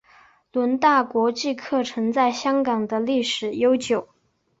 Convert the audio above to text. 伦大国际课程在香港的历史悠久。